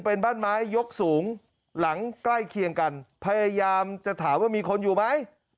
เป็นบ้านไม้ยกสูงหลังใกล้เคียงกันพยายามจะถามว่ามีคนอยู่ไหม